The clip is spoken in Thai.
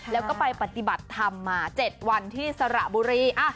แล้วก็ไปปฏิบัติธรรมมา๗วันที่สระบุรี